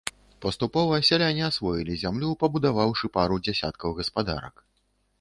Паступова, сяляне асвоілі зямлю, пабудаваўшы пару дзясяткаў гаспадарак.